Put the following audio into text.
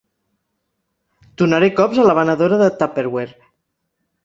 Donaré cops a la venedora de tupperware.